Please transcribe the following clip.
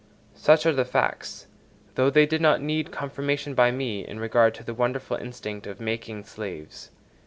Such are the facts, though they did not need confirmation by me, in regard to the wonderful instinct of making slaves.